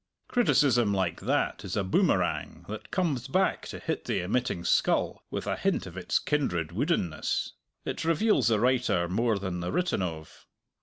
Criticism like that is a boomerang that comes back to hit the emitting skull with a hint of its kindred woodenness. It reveals the writer more than the written of.